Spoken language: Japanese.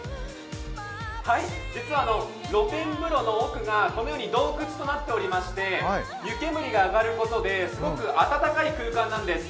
実は露天風呂の奥がこのように洞窟となっておりまして湯煙が上がることですごく温かい空間なんです。